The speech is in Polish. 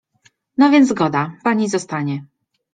— No, więc zgoda, pani zostanie.